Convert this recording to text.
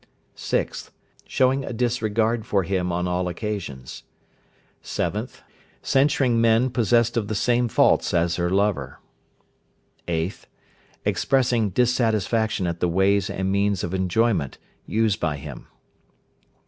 6th. Showing a disregard for him on all occasions. 7th. Censuring men possessed of the same faults as her lover. 8th. Expressing dissatisfaction at the ways and means of enjoyment used by him.